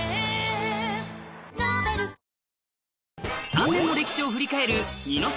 ３年の歴史を振り返る